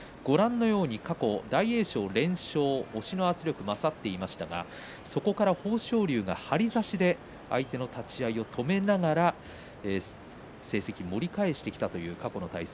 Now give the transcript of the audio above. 過去、大栄翔は連勝押しの圧力が勝っていましたがそこから豊昇龍が張り差しで相手の圧力を止めながら成績を盛り返してきたという過去の対戦